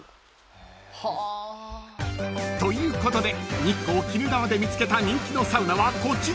［ということで日光・鬼怒川で見つけた人気のサウナはこちら］